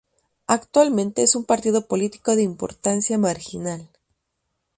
Actualmente es un partido político de importancia marginal.